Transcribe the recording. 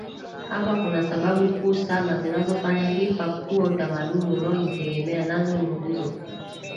hapa Kuna sababu kuu saba zinazofanya Hip Hop kuwa utamaduni unaojitegemea nazo ni Nguzo